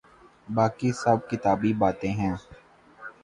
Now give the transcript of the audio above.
باقی سب کتابی باتیں ہیں۔